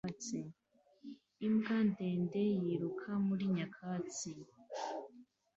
Imbwa ndende yiruka muri nyakatsi